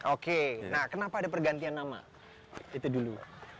oke nah kenapa ada pergantian nama itu dulu